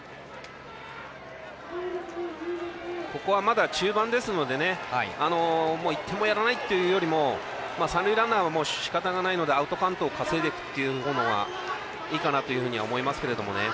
まだ中盤ですので１点もやらないというよりも三塁ランナーはしかたないのでアウトカウントを稼いでいくという方がいいかなと思います。